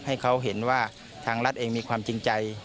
ให้เขาเห็นว่าทางรัฐเองมีความจริงใจ